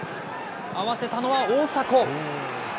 合わせたのは大迫。